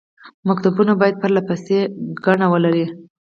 مکتوبونه باید پرله پسې ګڼه ولري.